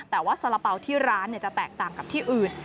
แต่ว่าสาระเป๋าที่ร้านจะแตกต่างกับที่อื่น